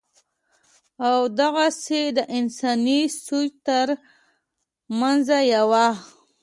او دغسې دَانساني سوچ تر مېنځه يوه